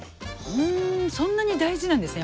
そんなに大事なんですね